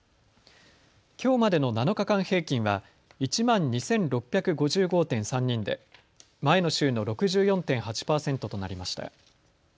きょうまでの７日間平均は１万２６５５．３人で前の週の６４．８％となりました。